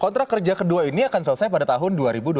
kontrak kerja kedua ini akan selesai pada tahun dua ribu dua puluh